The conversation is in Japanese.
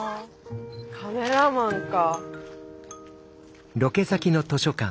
カメラマンか。